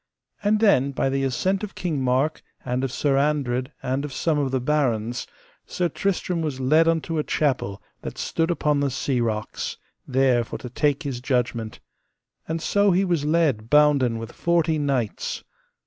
And then by the assent of King Mark, and of Sir Andred, and of some of the barons, Sir Tristram was led unto a chapel that stood upon the sea rocks, there for to take his judgment: and so he was led bounden with forty knights.